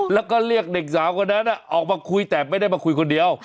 แล้วก็เรียกเด็กสาวคนนั้นออกมาคุยแต่ไม่ได้มาคุยคนเดียว